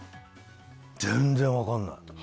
全然分からない。